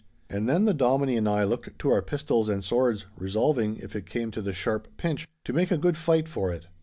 And then the Dominie and I looked to our pistols and swords, resolving, if it came to the sharp pinch, to make a good fight for it.